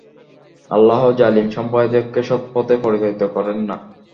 আল্লাহ জালিম সম্প্রদায়কে সৎপথে পরিচালিত করেন না।